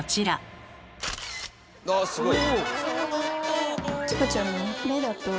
あすごい！